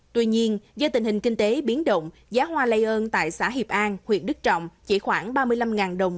tuy nhiên do tình hình kinh tế biến động giá hoa lây ơn tại xã hiệp an huyện đức trọng chỉ khoảng ba mươi năm đồng